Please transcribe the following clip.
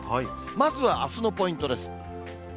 まずは、あすのポイントです。